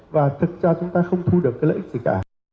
và thực ra chúng ta không thu được cái lợi ích gì cả